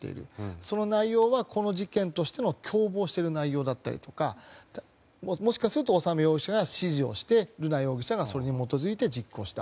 その内容は、この事件の共謀している内容だったりとかもしかすると修容疑者が指示をして瑠奈容疑者がそれに基づいて実行した。